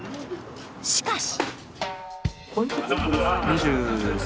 しかし。